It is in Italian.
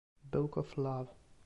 Book of Love